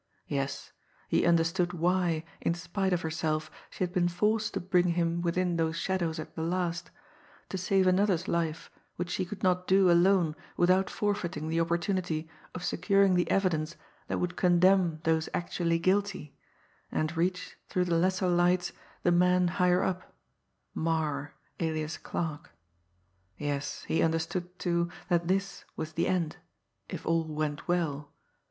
Yes, he understood why, in spite of herself, she had been forced to bring him within those shadows at the last to save another's life, which she could not do alone without forfeiting the opportunity of securing the evidence that would condemn those actually guilty, and reach, through the lesser lights, the man higher up Marre, alias Clarke. Yes, he understood, too, that this was the end if all went well!